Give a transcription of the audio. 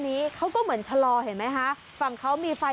นั่นคือเครื่องหมายที่แสดงว่า